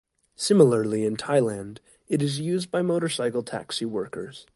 Similarly in Thailand, it is used by motorcycle taxi workers.